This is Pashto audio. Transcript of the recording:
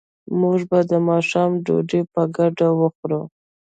موږ به د ماښام ډوډۍ په ګډه وخورو